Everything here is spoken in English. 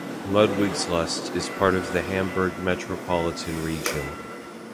Ludwigslust is part of the Hamburg Metropolitan Region.